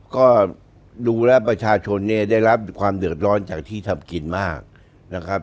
ก็ดูแล้วประชาชนเนี่ยได้รับความเดือดร้อนจากที่ทำกินมากนะครับ